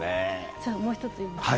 じゃあ、もう一ついいですか？